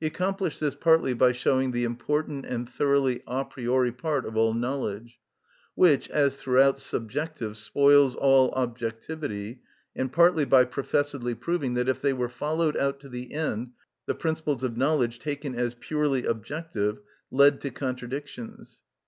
He accomplished this partly by showing the important and thoroughly a priori part of all knowledge, which, as throughout subjective, spoils all objectivity, and partly by professedly proving that if they were followed out to the end the principles of knowledge, taken as purely objective, led to contradictions.